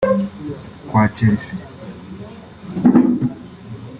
Kwa Chelsea